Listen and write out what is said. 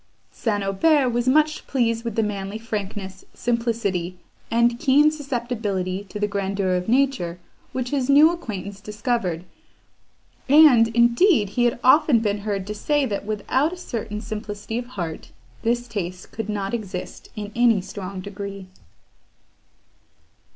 St. Aubert was much pleased with the manly frankness, simplicity, and keen susceptibility to the grandeur of nature, which his new acquaintance discovered; and, indeed, he had often been heard to say, that, without a certain simplicity of heart, this taste could not exist in any strong degree.